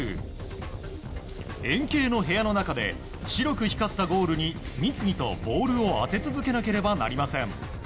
円形の部屋の中で白く光ったゴールに次々とボールを当て続けなければなりません。